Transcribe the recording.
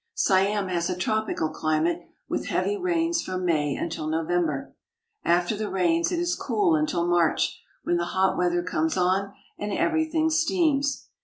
Siam has a tropical climate with heavy rains from May until November. After the rains it is cool until March, when the hot weather comes on and everything steams.